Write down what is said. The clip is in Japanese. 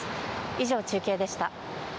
以上、中継でした。